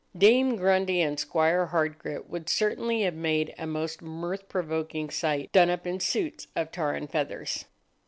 Dame Grundy and Squire Hardgrit would certainly have made a most mirth provoking sight, done up in suits of tar and feathers.